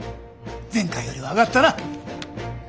前回よりは上がったな。